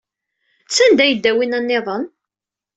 Sanda ay yedda winna niḍen?